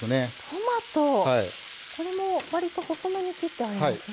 これもわりと細めに切ってありますね。